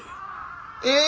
え！